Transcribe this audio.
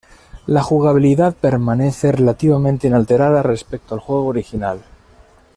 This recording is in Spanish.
La jugabilidad permanece relativamente inalterada respecto al juego original.